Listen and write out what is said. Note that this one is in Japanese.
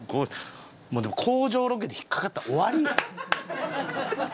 でも工場ロケで引っかかったら終わりやん。